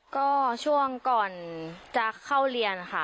ก็ช่วงก่อนจะเข้าเรียนค่ะ